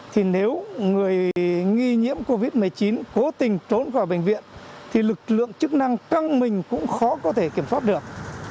thì nếu người nghi nhiễm covid một mươi chín cố tình trốn khỏi bệnh viện thì lực lượng chức năng căng mình cũng khó có thể kiểm soát được